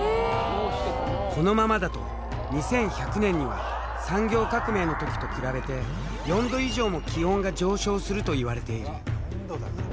このままだと２１００年には産業革命の時と比べて４℃以上も気温が上昇するといわれている。